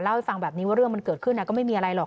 เล่าให้ฟังแบบนี้ว่าเรื่องมันเกิดขึ้นก็ไม่มีอะไรหรอก